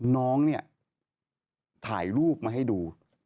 น้องเนี่ยถ่ายรูปมาให้ดู